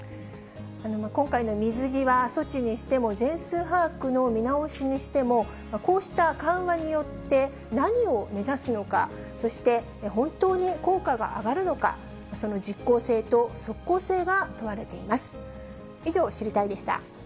今回の水際措置にしても、全数把握の見直しにしても、こうした緩和によって、何を目指すのか、そして本当に効果が上がるのか、その実効性と即効性が問われています。